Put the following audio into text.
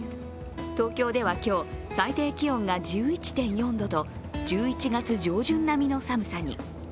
東京では今日、最低気温が１１．４度と１１月上旬並みの寒さに。